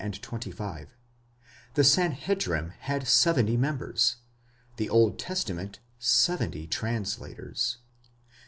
16, 25); the San hedrim had seventy members ;° the Old Testament, seventy translators.